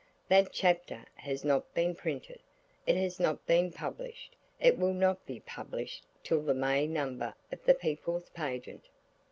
That chapter has not been printed, it has not been published; it will not be published till the May number of the People's Pageant.